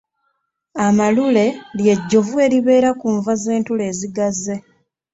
Amalule ly'ejjovu eribeera ku nva z'entula ezigaze.